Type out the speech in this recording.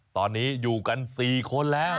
ตอนนี้อยู่กัน๔คนแล้ว